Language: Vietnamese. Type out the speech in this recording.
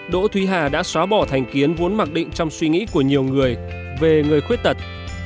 đỗ thúy hà đã xóa bỏ thành kiến vốn mặc định trong suy nghĩ của nhiều người về người khuyết tật